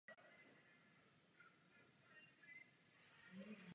Zde však nedostával příliš prostoru a odešel hostovat do Karviné.